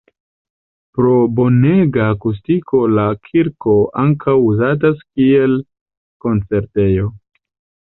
Pro bonega akustiko la kirko ankaŭ uzatas kiel koncertejo.